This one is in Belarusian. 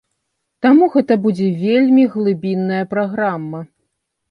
Таму гэта будзе вельмі глыбінная праграма.